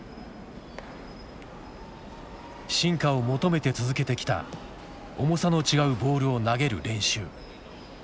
進化を求めて続けてきた重さの違うボールを投げる練習。